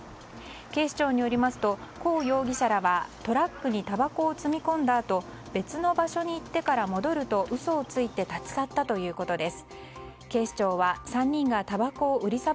警視庁によりますとコウ容疑者らはトラックにたばこを積み込んだあと別の場所に行ってから戻ると嘘をついて立ち去ったということです。